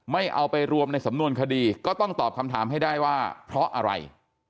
ไม่เอาไปรวมในสำนวนคดีก็ต้องตอบคำถามให้ได้ว่าเพราะอะไร